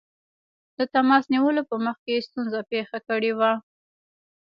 د تماس نیولو په مخ کې ستونزه پېښه کړې وه.